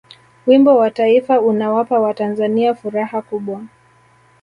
wimbo wa taifa unawapa watanzania furaha kubwa